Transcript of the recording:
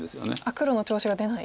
黒の調子が出ない。